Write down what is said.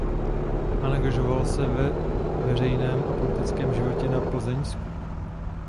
Angažoval se ve veřejném a politickém životě na Plzeňsku.